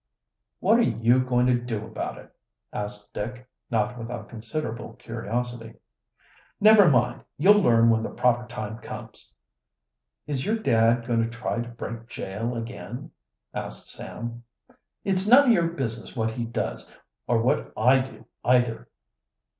"What are you going to do about it?" asked Dick, not without considerable curiosity. "Never mind; you'll learn when the proper time comes." "Is your dad going to try to break jail again?" asked Sam. "It's none of your business what he does or what I do, either."